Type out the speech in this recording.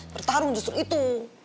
bertarung justru itu